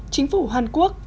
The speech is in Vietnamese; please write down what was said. chính phủ hàn quốc